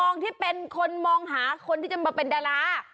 ที่เป็นคนมองหาคนที่จะมาเป็นดารา